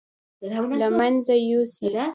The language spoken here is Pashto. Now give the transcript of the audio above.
له مېنځه يوسي.